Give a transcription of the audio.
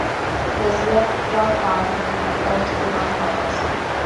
رضیہؔ کیا کام ہمیں گنج گراں مایہ سے